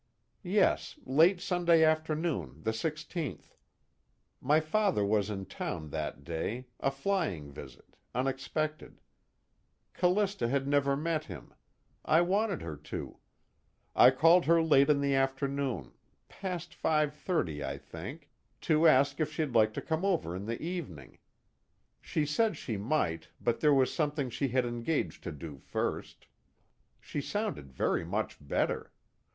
"Yes, late Sunday afternoon, the 16th. My father was in town that day, a flying visit, unexpected. Callista had never met him. I wanted her to. I called her late in the afternoon, past 5:30 I think to ask if she'd like to come over in the evening. She said she might, but there was something she had engaged to do first. She sounded very much better.